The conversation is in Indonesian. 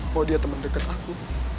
mau dia temen deket aku